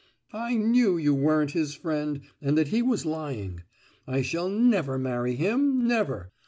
"I knew you weren't his friend, and that he was lying. I shall never marry him—never!